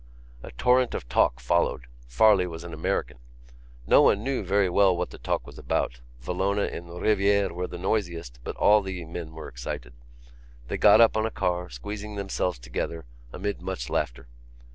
A torrent of talk followed. Farley was an American. No one knew very well what the talk was about. Villona and Rivière were the noisiest, but all the men were excited. They got up on a car, squeezing themselves together amid much laughter.